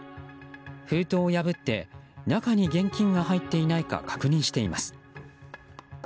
封筒を破って、中に現金が入っていないか確認しています。